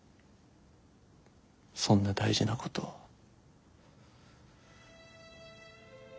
そんな大事なこと母さん